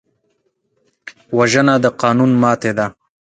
وژنه د قانون ماتې ده